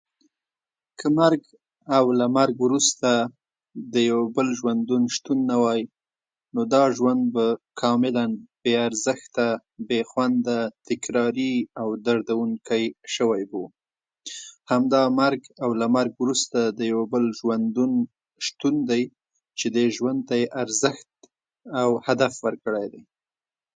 که مرګ او له مرګ وروسته د یو بل ژوندون شتون نه وای، نو دا ژوند به کاملا به ارزښته، بې خونده، تکراري او دردوونکی شوی و. همدا مرګ او له مرګ وروسته د یو بل ژوندون شتون دی چې ژوند ته یې ارزښت او هدف ورکړی دی.